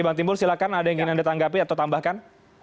bang timbul silahkan ada yang ingin anda tanggapi atau tambahkan